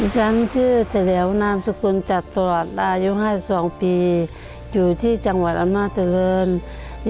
ฉันชื่อเฉลียวนามสกุลจัดตรวจอายุ๕๒ปีอยู่ที่จังหวัดอำนาจริง